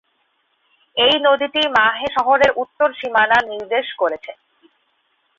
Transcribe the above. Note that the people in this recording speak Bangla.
এই নদীটি মাহে শহরের উত্তর সীমানা নির্দেশ করেছে।